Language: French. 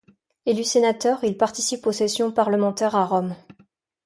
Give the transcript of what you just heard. Élu sénateur, il participe aux sessions parlementaires à Rome.